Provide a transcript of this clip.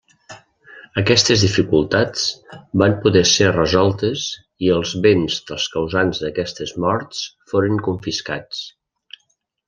Aquestes dificultats van poder ser resoltes i els béns dels causants d’aquestes morts foren confiscats.